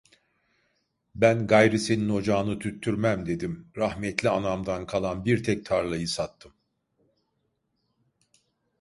Ben gayrı senin ocağını tüttürmem! dedim, rahmetli anamdan kalan bir tek tarlayı sattım.